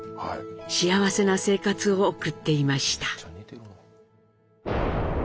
幸せな生活を送っていました。